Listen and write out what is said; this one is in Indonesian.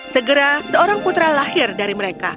segera seorang putra lahir dari mereka